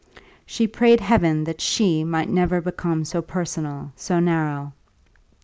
She prayed heaven that she might never become so personal, so narrow.